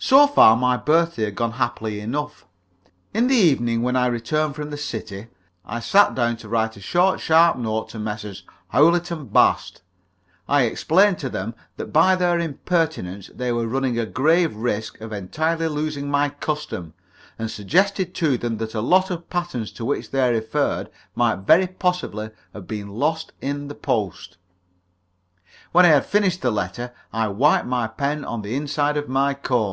So far, my birthday had gone happily enough. In the evening, when I returned from the city, I sat down to write a short, sharp note to Messrs. Howlett & Bast. I explained to them that by their impertinence they were running a grave risk of entirely losing my custom, and suggested to them that the lot of patterns to which they referred might very possibly have been lost in the post. When I had finished the letter, I wiped my pen on the inside of my coat.